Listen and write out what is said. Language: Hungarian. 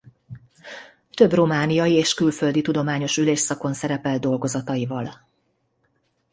Több romániai és külföldi tudományos ülésszakon szerepelt dolgozataival.